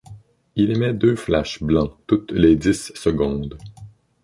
Il émet deux flashs blancs toutes les dix secondes.